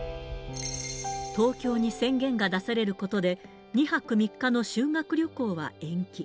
東京に宣言が出されることで、２泊３日の修学旅行は延期。